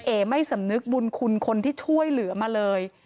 เอ๋ไม่สำนึกบุญคุณคนที่ช่วยเหลือมาเลย